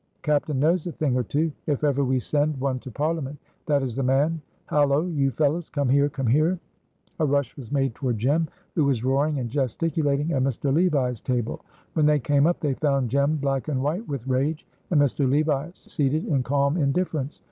"Captain knows a thing or two." "If ever we send one to parliament that is the man." "Halo! you fellows, come here! come here!" A rush was made toward Jem, who was roaring and gesticulating at Mr. Levi's table. When they came up they found Jem black and white with rage, and Mr. Levi seated in calm indifference.